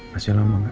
masih lama gak